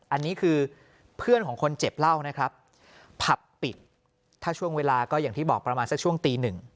อันนี้คือเพื่อนของคนเจ็บเล่านะครับผับปิดถ้าช่วงเวลาก็อย่างที่บอกประมาณสักช่วงตีหนึ่ง